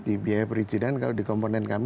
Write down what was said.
di biaya perizinan kalau dikomunikasi